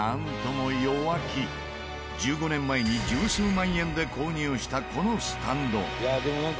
１５年前に十数万円で購入したこのスタンド。